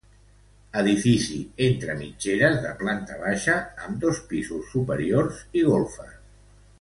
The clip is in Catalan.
Edifici entre mitgeres de planta baixa, amb dos pisos superiors i golfes.